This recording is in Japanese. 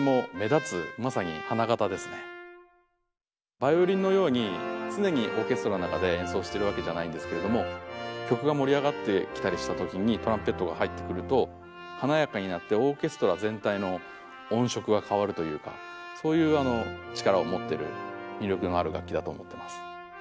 ヴァイオリンのように常にオーケストラの中で演奏してるわけじゃないんですけれども曲が盛り上がってきたりした時にトランペットが入ってくるとそういう力を持ってる魅力のある楽器だと思ってます。